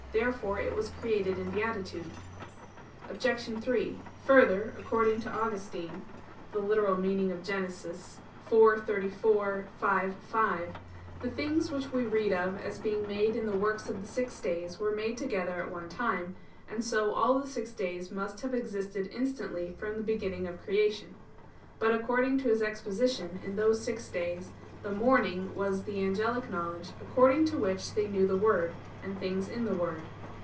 Therefore it was created in beatitude. Obj. 3: Further, according to Augustine (Gen. ad lit. iv, 34; v, 5), the things which we read of as being made in the works of the six days, were made together at one time; and so all the six days must have existed instantly from the beginning of creation. But, according to his exposition, in those six days, "the morning" was the angelic knowledge, according to which they knew the Word and things in the Word.